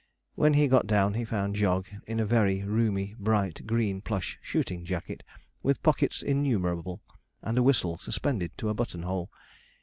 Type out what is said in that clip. When he got down he found Jog in a very roomy, bright, green plush shooting jacket, with pockets innumerable, and a whistle suspended to a button hole.